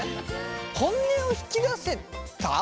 本音を引き出せた？